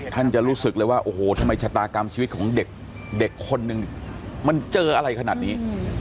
ท่านจะรู้สึกเลยว่าโอ้โหทำไมชะตากรรมชีวิตของเด็กคนหนึ่งมันเจออะไรขนาดนี้